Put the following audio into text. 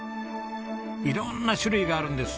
色んな種類があるんです。